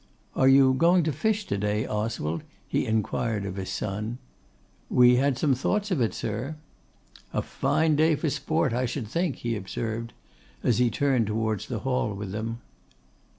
'Are you going to fish to day, Oswald?' he inquired of his son. 'We had some thoughts of it, sir.' 'A fine day for sport, I should think,' he observed, as he turned towards the Hall with them.